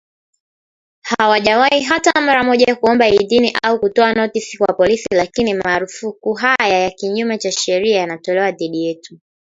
Hawajawahi hata mara moja kuomba idhini au kutoa notisi kwa polisi, lakini marufuku haya ya kinyume cha sharia yanatolewa dhidi yetu.